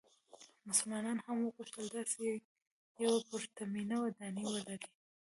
مسلمانانو هم وغوښتل داسې یوه پرتمینه ودانۍ ولري.